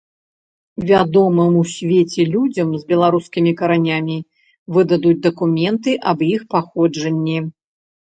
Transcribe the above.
Вядомым у свеце людзям з беларускімі каранямі выдадуць дакументы аб іх паходжанні.